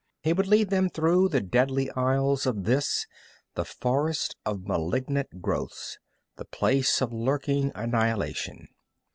He would lead them through the deadly aisles of this, the forest of malignant growths, the place of lurking annihilation.